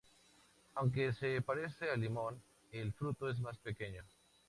Aunque se parece al limón, el fruto es más pequeño.